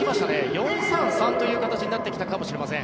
４−３−３という形になってきたかもしれません。